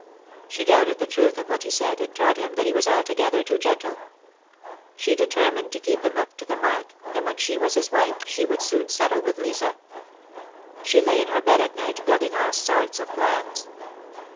She doubted the truth of what he said, and told him that he was altogether too gentle. She determined to keep him up to the mark, and when she was his wife she wouhl soon settle with Lisa. She lay in her bed at night build ing all sorts of plans.